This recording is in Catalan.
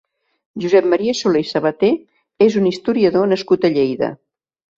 Josep Maria Solé i Sabaté és un historiador nascut a Lleida.